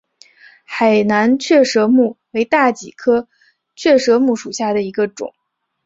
海南雀舌木为大戟科雀舌木属下的一个种。